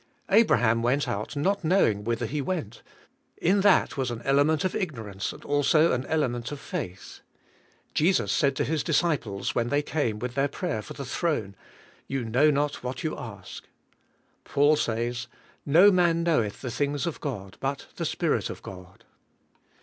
Abraham went out not knowing whither he went; in that was an elenrjent of ignor ance and also an element of faith. Jesus said to His discpies when they came with their prayer for the throne, "You know not what you ask." Paul says, "No man knoweth the things of God but the Spirit of God."